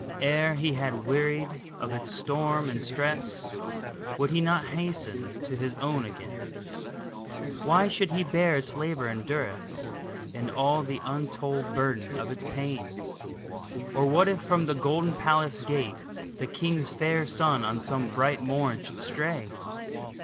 Ere he had wearied of its storm and stress, Would he not hasten to his own again ? Why should he bear its labor and duress, And all the untold burden of its pain ? Or what if from the golden palace gate The king's fair son on some bright morn should stray